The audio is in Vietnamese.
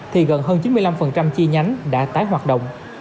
thì gần hơn chín mươi năm chi nhánh đã tái hoạt động